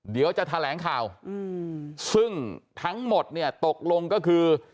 เดี๋ยวจะแถลงข่าวซึ่งทั้งหมดเนี่ยตกลงก็คือ